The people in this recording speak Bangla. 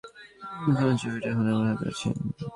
আপনার কারণে চাবিটা এখন আমার হাতে আছে।